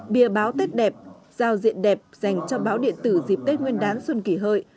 bia báo tết đẹp giao diện đẹp dành cho báo điện tử dịp tết nguyên đán xuân kỷ hợi